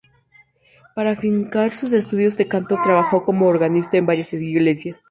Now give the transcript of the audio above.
Para financiar sus estudios de canto, trabajo como organista en varias iglesias.